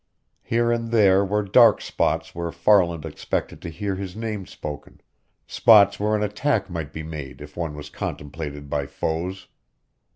Here and there were dark spots where Farland expected to hear his name spoken, spots where an attack might be made if one was contemplated by foes.